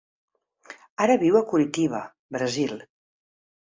Ara viu a Curitiba, Brasil.